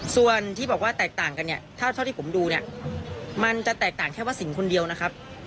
ส่วนที่บอกว่าแตกต่างกันเนี่ยเท่าที่ผมดูเนี่ยมันจะแตกต่างแค่ว่าสินคนเดียวนะครับ